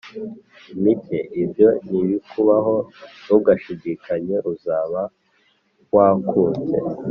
mike ibyo nibikubaho ntugashidikanye uzaba wakunze."